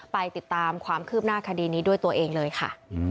ไปติดตามความคืบหน้าคดีนี้ด้วยตัวเองเลยค่ะ